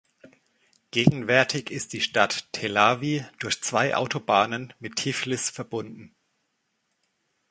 Gegenwärtig ist die Stadt Telawi durch zwei Autobahnen mit Tiflis verbunden.